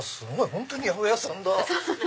本当に八百屋さんだ。